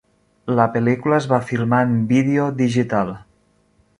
La pel·lícula es va filmar en vídeo digital.